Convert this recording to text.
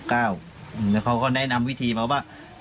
แล้วเขาก็แนะนำวิธีมาว่า